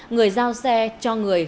người giao xe cho người